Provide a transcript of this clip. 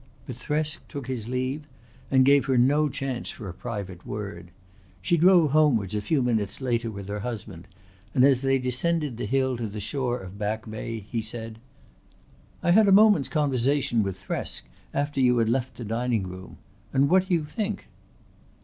But Thresk took his leave and gave her no chance for a private word. She drove homewards a few minutes later with her husband; and as they descended the hill to the shore of Back Bay he said: "I had a moment's conversation with Thresk after you had left the dining room, and what do you think?"